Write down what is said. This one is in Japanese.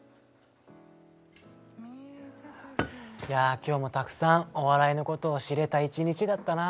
今日もたくさんお笑いのことを知れた一日だったな。